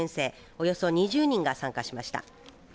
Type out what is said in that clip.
およそ２０人が参加しました。